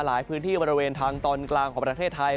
หลายพื้นที่บริเวณทางตอนกลางของประเทศไทย